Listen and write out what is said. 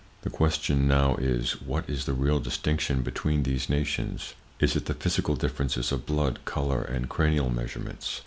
The question now is: What is the real distinction between these nations? Is it the physical differences of blood, color and cranial measurements?